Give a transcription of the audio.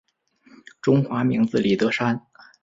中国名字李德山。